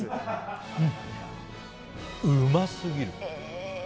うますぎる。